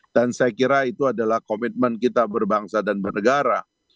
dan saya kira itu adalah komitmen kita berbangsa dan bernegara